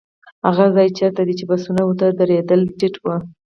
هغه ځای چېرته چې بسونه ودرېدل ټيټ و.